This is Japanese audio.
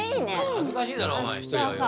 恥ずかしいだろお前一人はよ。